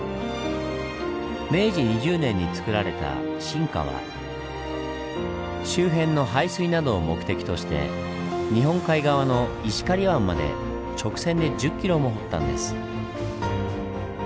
実はこれ周辺の排水などを目的として日本海側の石狩湾まで直線で１０ｋｍも掘ったんです。